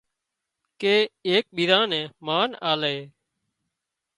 ڪي ايڪ ٻيزان نين مانَ آلي